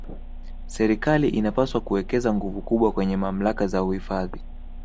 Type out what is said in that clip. serikali inapaswa kuwekeza nguvu kubwa kwenye mamlaka za uhifadhi